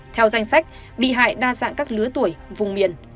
theo danh sách bị hại đa dạng các lứa tuổi vùng miền